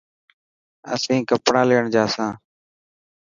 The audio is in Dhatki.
اسين ڪپڙا ليڻ جا سان.